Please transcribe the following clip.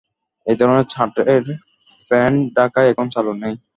এ ধরনের ছাঁটের প্যান্ট ঢাকায় এখন চালু নেই।